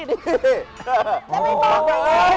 จะไปกวากไหน